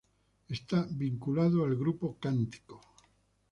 Estuvo vinculado al Grupo Cántico.